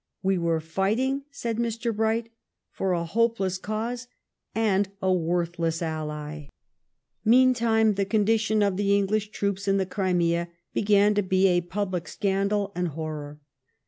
" We were fighting," said Mr. Bright, " for a hopeless cause and a worthless ally." l86 THE STORY OF GLADSTONE'S LIFE Meantime the condition of the English troops in the Crimea began to be a public scandal and horror.